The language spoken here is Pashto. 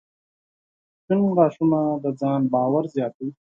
• سپین غاښونه د ځان باور زیاتوي.